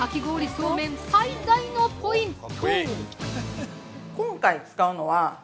そうめん最大のポイント！